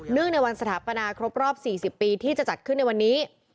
ในวันสถาปนาครบรอบ๔๐ปีที่จะจัดขึ้นในวันนี้